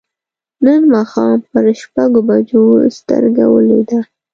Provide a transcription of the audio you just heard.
نن ماښام پر شپږو بجو سترګه ولوېده.